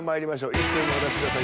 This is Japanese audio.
一斉にお出しください。